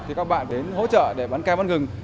thì các bạn đến hỗ trợ để bán cam bán gừng